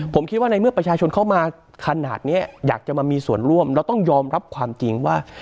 ผมคิดว่าในเมื่อประชาชนเข้ามาขนาดนี้อยากจะมามีส่วนร่วมแล้วต้องยอมรับความจริงว่า